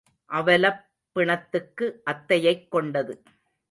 அவலப் பிணத்துக்கு அத்தையைக் கொண்டது.